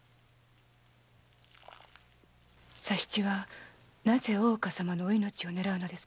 佐七はなぜ大岡様のお命を狙うのですか？